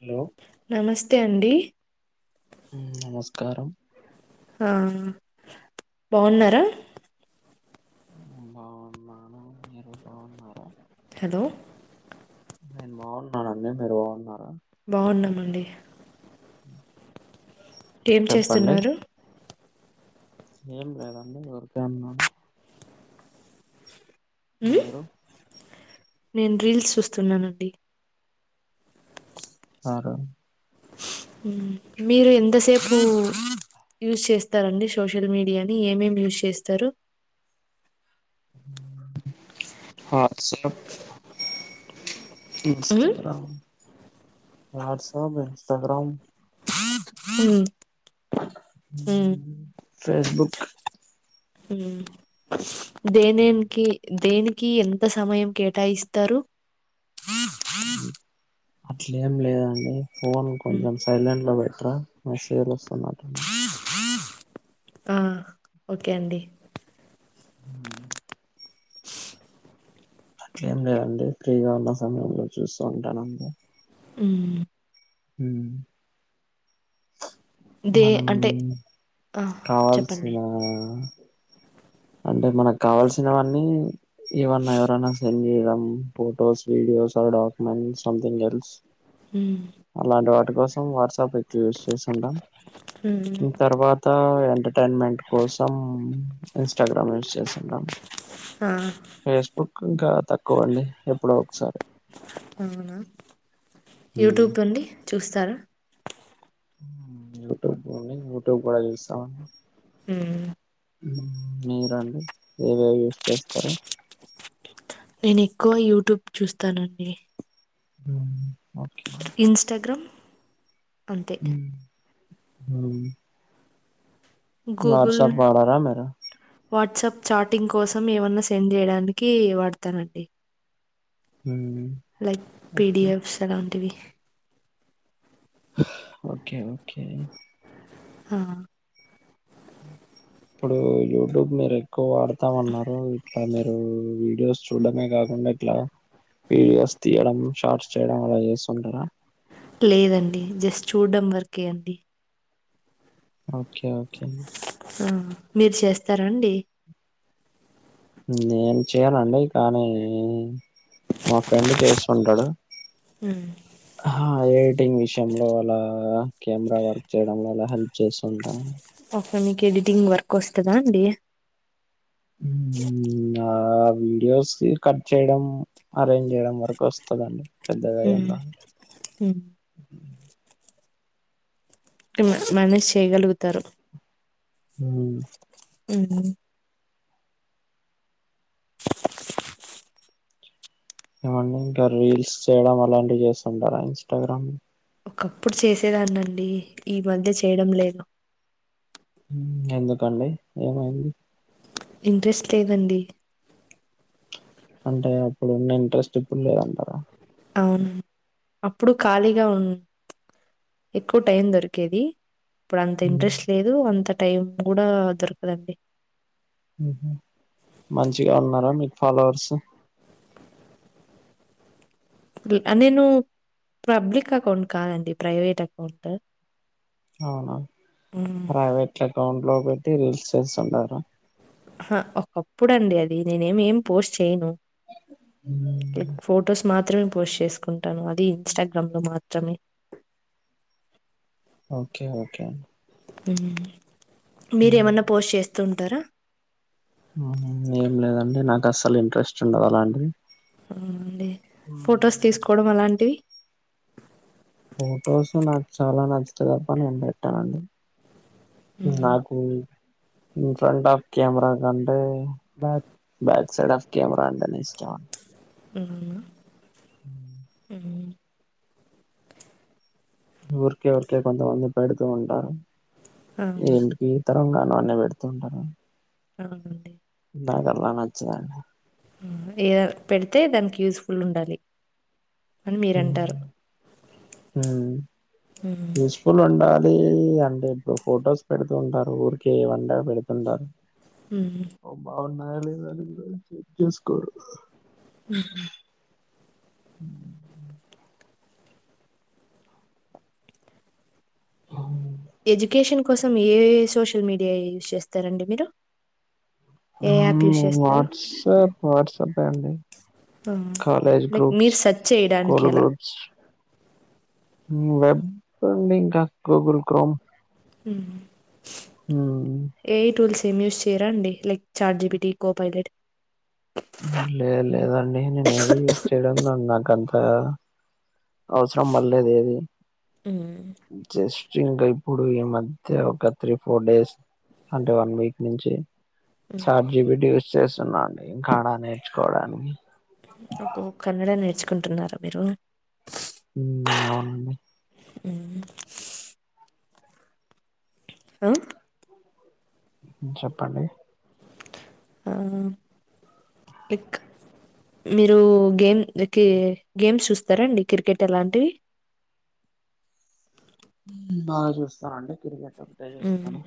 Hello నమస్తే అండి నమస్కారం ఆ బాగున్నారా బాగున్నాను మీరు బాగున్నారా హలో నేను బాగున్నానండి మీరు బాగున్నారు బాగున్నామండి ఏం చెప్పండి చేస్తున్నారు ఏం లేదండి ఊరికే ఉన్నాను ఉమ్, మీరు నేను రీల్స్ చూస్తున్నానండి సరే మీరు ఎంతసేపు యూజ్ చేస్తారండి సోషల్ మీడియాని ఏమేం యూజ్ చేస్తారు హ స ఉమ్, ఇన్స్టాగ్రామ్ వాట్సప్ ఇన్స్టాగ్రామ్ హ్మ్ హ్మ్ ఫేస్బుక్ దేదేనికి దేనికి కీ ఎంత సమయం కేటాయిస్తారు అట్లేం లేదండి ఫోన్ ఉమ్, కొంచెం సైలెంట్ లో పెట్రా మేశేజుల్ వస్తునయి ఆ ఓకే అండి ఉమ్ మా అట్లేం లేదండి ఫ్రీగా ఉన్న సమయంలో చూస్తూ ఉంటాను హ్మ్మ్ హ్మ్ దే మనం అంటే ఆ, కాల్స్ చెప్పండి ఇల అంటే మనక్ కావల్సినవన్నీ ఏవన్నా ఎవరన్నా సెంజ్ చేయడం photos videos or documents something else ఉమ్, అలాంటి వాటి కోసం వాట్సాప్ ఎక్కువ యూస్ చేస్తుంటా ఉమ్, తర్వాత ఎంటర్టైన్మెంట్ కోసం ఇంస్ట్రా గ్రామ్ యూస్ చేస్తుంటాం ఆ, ఫేస్ బుక్ ఇంకా తక్కువ అండి ఎప్పుడో ఒకసారి అవునా యూట్యూబ్ తొండి చూస్తార హ్మ్ యూట్యూబా అండి యూట్యూబ్ కూడా చూస్తాం ఉమ్ మీరండి ఏవేవి యూస్ చేస్తరు నేను ఎక్కువ యూట్యూబ్ చూస్తానండి ఉమ్ ఇన్ స్ట గ్రామ్ అంతే ఉమ్ వాట్ గూగుల్, సప్ వాడార మేడమ్ వాట్సాప్ చాటింగ్ కోసం ఏమన్నా సెండ్ చేయడానికి వాడతానండి లైక్ ఓకే పిడిఎఫ్స్ అలాంటివి ఓకే ఓకే ఆ ఇప్పుడు యూట్యూబ్ మీర్ ఎక్కు వాడతామ్ అన్నారు ఇ అ మీరు వీడియోస్ చూడడమే కాకుండా ఇట్లా వీడియోస్ తీయడం షార్ట్స్ చేయడం అలా చేస్తుంటారా లేదండి జస్ట్ చూడ్డం వరకే అండి ఓకే ఓకే ఆ హ మీర్ చేస్తారాండి నేన్ చేయనండి కానీ మా ఫ్రెండ్ చేస్తుంటడు హ్మ్ ఆ ఎడిటింగ్ విషయంలో అలా కెమెరా వర్క్ చేయడంలో అలా హెల్ప్ చేస్తుంటాం ఓకే మీకు ఎడిటింగ్ వర్క్ వస్తదా అండి మ్మ్, ఆ వీడియోస్ నీ కట్ చేయడం అరేంజ్ చేయడం వరకు వస్తదండి పెద్దగా ఏమ్ హ్మ్. రాద్ హ్మ్. టు మా మ్యానెస్ చేయ్యగలుగుతరు ఉమ్ ఉమ్మ్ ఏవండి ఇంకా రీల్స్ చేయడం అలాంటివి చేస్తుంటారా ఇన్ స్ట గ్రామ్ లో ఒకప్పుడు చేసేదాన్ని అండి ఈ మధ్య చేయడం లేదు ఉమ్ ఎందుకండి ఏమైంది ఇంన్ ట్రేస్ట్ లేదండి అంటే అప్పుడున్న ఇంట్రెస్ట్ ఇప్పుడు లేదంటారా అవన్ అప్పుడు ఖాళీగా ఉన్ ఎక్కు టైం దొరికేది ఇప్పుడు అంత మ్మ్. ఇంట్రెస్ట్ లేదు అంత టైం కూడా దొరకదండి ఉమ్ మంచిగా ఉన్నారా మీకు ఫాలోవర్స్ డు ఆ నేను పబ్లిక్ అకౌంట్ కాదండి ప్రైవేట్ ఎకౌంట్ అవునా ప్రైవేట్ అకౌంట్ లో పెట్టి రీల్స్ చేస్తుంటారా ఆ ఒకప్పుడు అండి అది నేనే ఏమి ఏం పోస్ట్ చేయ్యను మ్మ్. లైక్ ఫొటోస్ మాత్ర మాత్రమే పోస్ట్ చేసుకుంటాను అది ఇన్స్టాగ్రామ్ లో మాత్రమే ఓకే ఓకే హ్మ్ మ్మ్. మీరేమన్నా పోస్ట్ చేస్తూ ఉంటారా ఏం లేదండి నాకు అస్సలు ఇంట్రెస్ట్ ఉండదు అలాంటివి అవుండి ఫొటోస్ తీసుకోవడం అలాంటివి ఫోటోస్ నాకు చాలా నచ్చుతే తప్ప నేను పెట్టానండి మ్మ్. నాకు ఇన్ఫ్రాంట్ అఫ్ కెమెరా కంటే బ్యాక్ సైడ్ అఫ్ కెమెరా అంటే ఇష్టమండి మ్మ్ మ్మ్ ఊరికే ఊరికే కొంతమంది పెడుతూ ఉంటారు అవునా ఏంటికి త్తరంగాను అన్నీ పెడ్తూ ఉంటను అవునా అండి దానధర్మాలు నచ్చదా అండి ఏద్ పెడితే దాన్కి యూస్పుల్ ఉండాలి మీరంటారు మ్మ్ మ్మ్. యూస్ఫుల్ ఉండా లీ హండ్రెడ్ ఫొటోస్ పెడుతుంటారు ఊరికే వంద పెడుతుంటారు మ్మ్. బాగున్నారా లేద అనేది కూడా చూసుకోరు మ్మ్ హ్మ్ ఊ ఎజుకేషన్ కోసం ఏ సోషల్ మీడియా యూస్ చేస్తారండి మీరు ఏ యాప్ యూజ్ చేస్తారు వాట్సప్ వాట్సపె అండి కాలేజ్ లైక్ మీరు గ్రూప్స్ సెర్చ్ చేయడానికి స్కూల్ అలా గ్రూప్స్ వెబ్డం ఇంకా గూగుల్ క్రోమ్ హ్మ్ ఉమ్. ఏట్రూల్స్ ఏమ్ యూస్ చేయరా అండి like chat G P T కో పైలెట్ లేద్ లేదండి నేనేవి యూస్ చేయడంలో నాకంత అవ్సరం పల్లేదు ఏది జస్ట్ ఇంక ఇప్పుడు ఈ మధ్య ఒక త్రీ ఫోర్ డేస్ అంటే వన్ వీక్ నుంచి చాట్ జిపిటి యూస్ చేస్తన్నాండి ఇంకాడా నేర్చుకోడాన్ని ఒకొ కన్నడ నేర్చుకుంటున్నారా మీరు మ్మ్ అవును అండి మ్మ్ ఆ మ్మ్ చెప్పండి ఆ లైక్ మీరూ గేమ్ ఒకే గేమ్స్ చూస్తరాండి క్రికెట్ అలాంటివి హ్మ్ బా చూస్తా అండి క్రికెట్ ఒకటే మ్మ్ చూస్తాను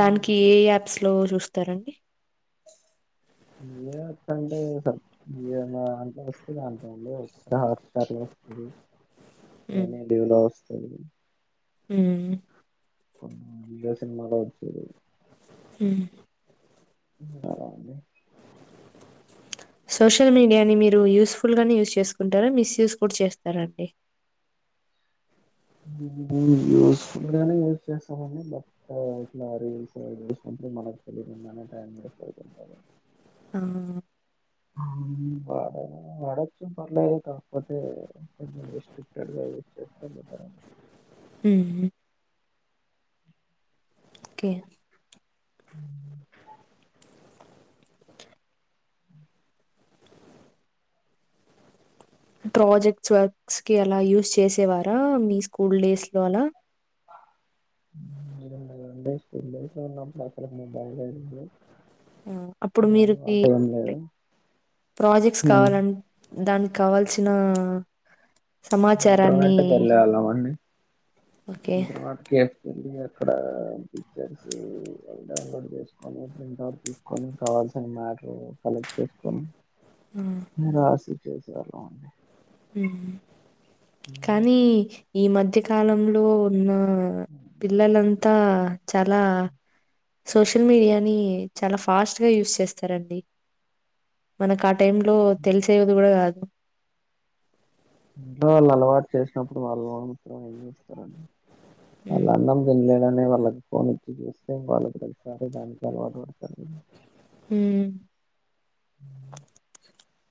దానికీ ఏ యాప్స్ లో చూస్తారండి [inaudible] ఎ ఆప్స్ అంటే ఏ దాంట్లొ వస్తే దాంట్లొ అండి వస్తే హాట్స్టర్ రు [inaudible] సోని టీవీలొ వస్తది మ్మ్ వియె సినిమాలో వచ్చేది. ఉమ్. అలా అండి. సోషల్ మీడియాని మీరూ యూస్ఫుల్ గానె యూస్ చేసుకుంటార. మిస్యూజ్ కూడ చేస్తారా అండి. [inaudible] మేము యూస్ఫుల్ గానె యూజ్ చేస్తామండి. బట్ ఇట్లా రీల్స్ అది ఇష్టం. ఇప్పుడ్ మనకి [unintelligible] అనే టైం వేస్ట్ అవుతుంటది. ఉమ్. ఆహ్ వాడనూ వాడచ్చు ఇంకా పర్లేదు [unintelligible] రిస్ట్రిక్టేడ్ గా. యూజ్ చేస్తే బెటర్ అండి ఉమ్. ఒకే హ్మ్ ప్రాజెక్ట్స్ వర్క్స్ కి అలా యూస్ చేసేవారా మీ స్కూల్ డేస్ లో అలా [inaudible] మేముండే స్కూల్లో [unintelligible] ఉమ్ అప్పుడు మీరుకీ ప్రాజెక్ట్స్ కావాలని దానిక్. కావాల్సిన సమాచారాన్ని. ఓకే. బ్రాడ్ కేర్. వెళ్లి అక్కడ పిక్చర్స్ డౌన్లోడ్ చేసుకొని ప్రింట్ అవుట్ తీసుకొని కావా. రీసెంట్ మ్యాటరు కలెక్ట్ చేసుకుని ఆ! ఇందులో రాసిచ్చేసేవాళ్ళమండి హ్మ్ కానీ ఈ మధ్య కాలంలో ఉన్న. ఆహ్ పిల్లలంతా చాలా. సోషల్ మీడియాని చాలా ఫాస్ట్ గా యూస్ చేస్తారండి మనక. టైం లో తెలిసేది కూడా కాదు. ఇంట్లో వాళ్ళు అలవాటు చేసినప్పుడు వాళ్ళు మాత్రం ఏం చేస్తారండి. వాళ్ళు ఉమ్ అన్నం తినలే. అనే వాళ్ళకి ఫోన్ ఇచ్చి చూస్తే వాళ్ళు ప్రతిసారి దానికి అలవాటు పడతారు అండి. హ్మ్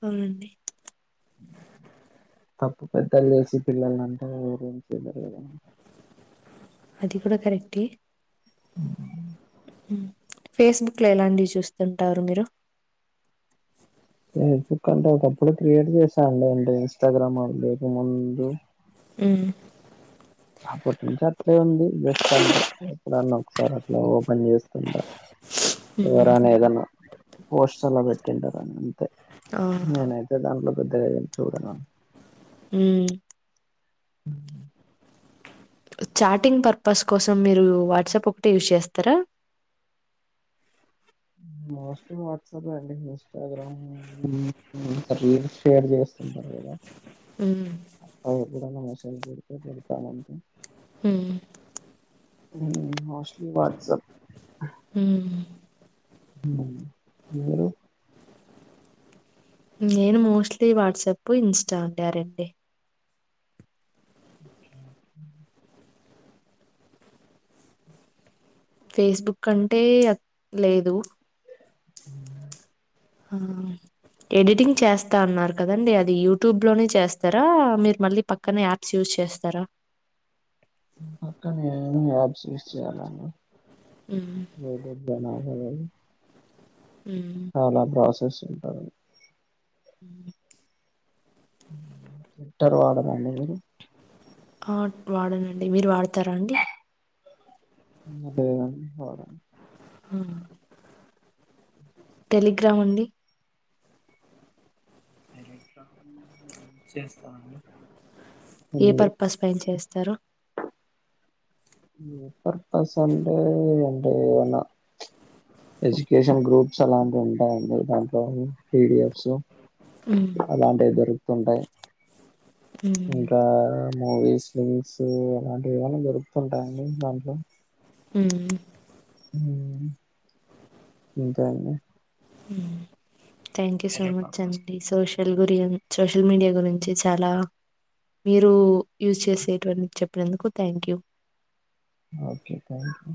అవునండి. తప్పు పెద్దలు చేసి పిల్లలను అంటే ఎవరు ఏం చేయలేరు కదండి. అది కూడా కరెక్టే. ఉహ్మ్. ఫేస్బుక్ లో ఎలాంటివి చూస్తుంటారు మీరు. ఫేస్బుక్ అంటే ఒకప్పుడు క్రియేట్ చేసా అండి అంటే ఇన్స్టాగ్రామ్ లేక ముందు. ఉహ్మ్. అప్పటి నుంచి అట్లే ఉంది జస్ట్ అంతే ఎప్పుడన్నా ఒకసారి అట్లా ఓప్. పెన్ చేస్తుంటా ఉమ్ ఎవరైనా ఏదన్నా పోస్ట్ అలా పెట్టింటారు అని. తే ఆ నేనైతే దాంట్లో పెద్దగా ఏం చూడనండి. ఉహ్మ్. ఉమ్. చాటింగ్ పర్పస్ కోసం మీరు వాట్సాప్ ఒకటే యూస్ చేస్తారా. మోస్ట్లీ వాట్సాపే అండి ఇన్స్టాగ్రామ్ రీల్స్ షేర్ చేస్తుంటారు కదా. ఉమ్ అట్లా ఎప్పుడైనా మెసేజ్ పెడితే పెడతామండి. ఉహ్మ్. హ్మ్ మోస్ట్లీ వాట్సాప్. ఉమ్ ఉహ్మ్ మీరు. నేను మోస్ట్లీ వాట్సాపే ఇన్స్టా అంతే ఆ రెండే. Okay okay. ఫేస్బుక్ అంటే అక్ లేదు. హ్మ్ హా ఎడిటింగ్ చేస్తా అన్నారు కదండి! అది యూట్యూబ్ లోనే చేస్తారా, మీరు మళ్ళీ పక్కనే యాప్స్ యూస్ చె చేస్తారా? మ్ పక్కన ఏవైనా యాప్స్ యూస్ చేయాలండి. ఉమ్ యూట్యూబ్లోన ఆడవై ఉమ్ అలా ప్రాసెస్ ఉంటది. మ్ హ్మ్ ట్విట్టర్ వాడరా అండి మీరు? ఆ వాడనండి మీరు వాడతారా అండి? ఉమ్ లేదండి వాడను. ఉహ్మ్ టెలిగ్రామ్ అండి. టెలిగ్రామ్ చేస్తా అండి. ఏ పర్పస్ పైన చేస్తారు? మ్ పర్పస్ అంటే ఏంటో ఐన ఎజ్యుకేషన్ గ్రూప్స్ అలాంటివి ఉంటాయండి. దాంట్లో పిడిఎఫ్ సో హ్మ్. అలాంటివి దొరుకుతుంటాయి. హ్మ్. ఇంకా! మూవీస్ లో చూస్తే, అలాంటివి ఏవనా దొరుకుతుంటాయండి దాంట్లో. మ్మ్ మ్ ఇంకా అండి? మ్ థాంక్ యు సో వేరే మచ్ పర్పస్కి అండి. ఏమి సోషల్ యూజ్ గురియన్ చేయరు సోషల్ మీడియా గురించి చాలా! మీరు యూజ్ చేసేటువన్ని చెప్పినందుకు thank you okay thank you